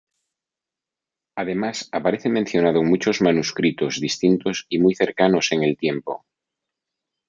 Además aparece mencionado en muchos manuscritos distintos y muy cercanos en el tiempo.